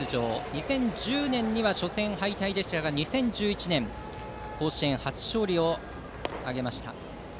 ２０１０年には初戦敗退でしたが２０１１年甲子園初勝利を挙げました。